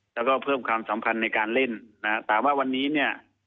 แล้วก็เพิ่มความสำคัญในการเล่นนะฮะแต่ว่าวันนี้เนี่ย